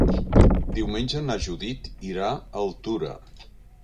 Diumenge na Judit irà a Altura.